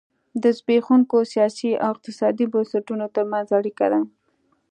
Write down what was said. د زبېښونکو سیاسي او اقتصادي بنسټونو ترمنځ اړیکه ده.